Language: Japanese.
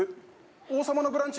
「王様のブランチ」